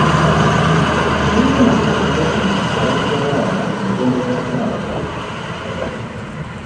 Kuliko Nakisekka Gertrude ku kyalo Kigayazza mu ggombolola ya Ssaabagabo